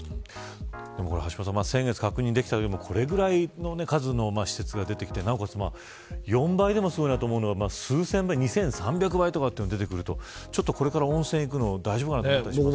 でも橋下さん先月、確認できただけでもこれぐらいの数の施設が出てきてなおかつ４倍でもすごいなと思うのが２３００倍が出てくるとこれから温泉行くの大丈夫なのかと思いますね。